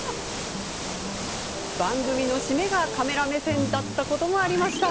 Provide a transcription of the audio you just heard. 番組の締めがカメラ目線だったことも。